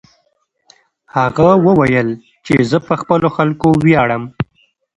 هغه وویل چې زه په خپلو خلکو ویاړم.